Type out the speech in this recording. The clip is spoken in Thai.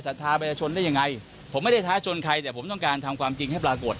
ทาประชาชนได้ยังไงผมไม่ได้ท้าชนใครแต่ผมต้องการทำความจริงให้ปรากฏ